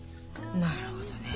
なるほどね。